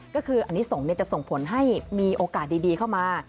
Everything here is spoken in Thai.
ก็คืออันนี้ส่งจะส่งผลให้มีโอกาสดีเข้ามา